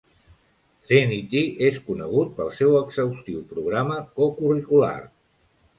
Trinity és conegut pel seu exhaustiu programa co-curricular.